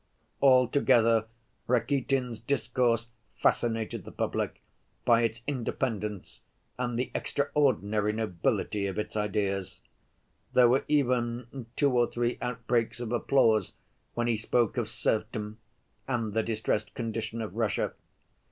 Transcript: Altogether, Rakitin's discourse fascinated the public by its independence and the extraordinary nobility of its ideas. There were even two or three outbreaks of applause when he spoke of serfdom and the distressed condition of Russia.